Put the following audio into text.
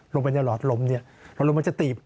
ลงไปในหลอดลมเราลงไปจะตีบ